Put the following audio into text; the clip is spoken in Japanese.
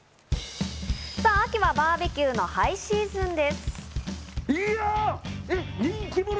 秋はバーベキューのシーズンです。